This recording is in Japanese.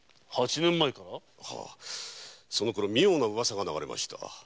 そのころ妙なウワサが流れました。